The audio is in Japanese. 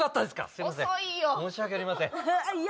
申し訳ありません。